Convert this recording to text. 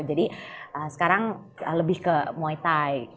jadi sekarang lebih ke muay thai